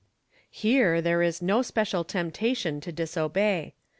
piere there is no special temptation to disobey.